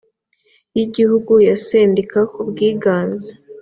y igihugu ya sendika ku bwiganze